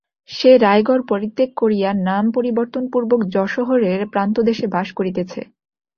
সে রায়গড় পরিত্যাগ করিয়া নাম-পরিবর্তন-পূর্বক যশোহরের প্রান্তদেশে বাস করিতেছে।